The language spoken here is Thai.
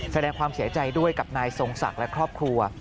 แสดงความเสียใจด้วยกับนายทรงศักดิ์และครอบครัว